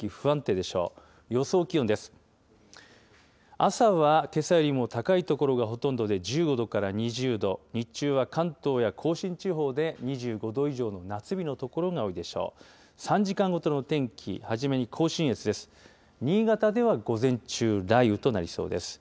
朝はけさよりも高い所がほとんどで１５度から２０度、日中は関東や甲信地方で２５度以上の夏日の所が多いでしょう。